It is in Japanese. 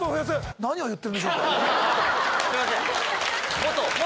すいません元元